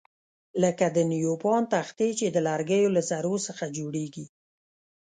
لکه د نیوپان تختې چې د لرګیو له ذرو څخه جوړیږي.